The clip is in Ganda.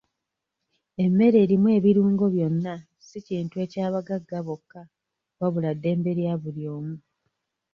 Emmere erimu ebirungo byonna si kintu eky'abagagga bokka wabula ddembe lya buli omu.